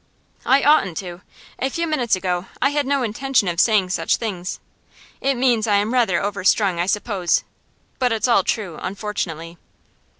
'I oughtn't to; a few minutes ago I had no intention of saying such things. It means I am rather overstrung, I suppose; but it's all true, unfortunately.